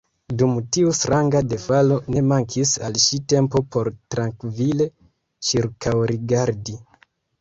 Dum tiu stranga defalo, ne mankis al ŝi tempo por trankvile ĉirkaŭrigardi.